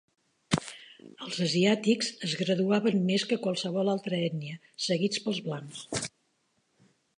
Els asiàtics es graduaven més que qualsevol altra ètnia, seguits pels blancs.